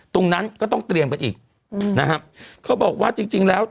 ตรงนั้นก็ต้องเตรียมกันอีกอืมนะครับเขาบอกว่าจริงจริงแล้ว